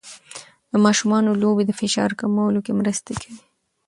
د ماشومانو لوبې د فشار کمولو کې مرسته کوي.